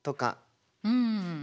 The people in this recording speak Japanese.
うん。